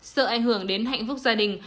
sợ ảnh hưởng đến hạnh phúc gia đình